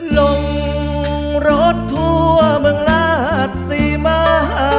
ลงรถทั่วเมืองราชสีมา